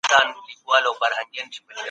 پښتو ژبه ټينګ قبايلي ساختمان لري.